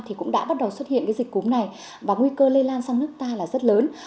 thì cũng đã bắt đầu xuất hiện cái dịch cúm này và nguy cơ lây lan sang nước ta là rất lớn